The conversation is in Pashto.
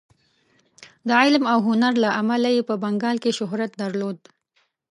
د علم او هنر له امله یې په بنګال کې شهرت درلود.